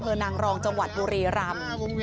ดูนางรองจังหวัดโดเรราม